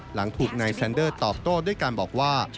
หลังถูกนายแซนเดอร์ตอบโต้ด้วยการบอกว่า